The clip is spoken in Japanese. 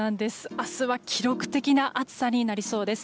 明日は記録的な暑さになりそうです。